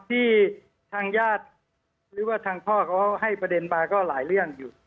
ที่ทางญาติหรือว่าทางพ่อเขาให้ประเด็นมาก็หลายเรื่องอยู่